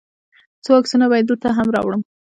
څو عکسونه به یې دلته هم راوړم.